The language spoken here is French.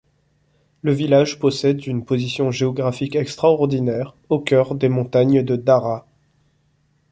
Le village possède une position géographique extraordinaire au cœur des montagnes de Dahra.